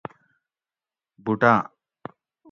بوٹاۤن